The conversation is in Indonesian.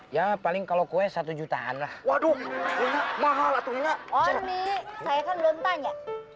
ya paling kalau kue satu jutaan lah waduh ini mahal atau enggak oh ini saya kan belum tanya